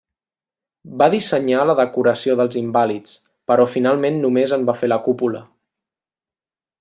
Va dissenyar la decoració dels Invàlids, però finalment només en va fer la cúpula.